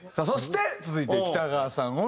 そして続いて北川さん